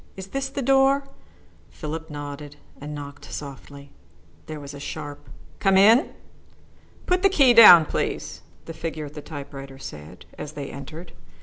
Is this the door?" Philip nodded and knocked softly. There was a sharp "Come in!" "Put the key down, please," the figure at the typewriter said, as they entered.